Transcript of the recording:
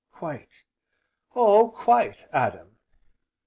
"Quite Oh quite, Adam!"